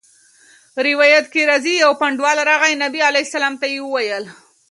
روایت کي راځي: يو بانډَوال راغی، نبي عليه السلام ته ئي وويل